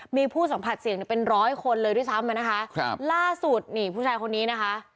มีผู้สัมผัสเสี่ยงเนี่ยเป็นร้อยคนเลยด้วยซ้ำอ่ะนะคะครับล่าสุดนี่ผู้ชายคนนี้นะคะ